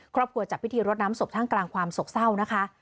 ครอบครัวจับพิธีรถน้ำศพทางกลางความศกเศร้านะคะ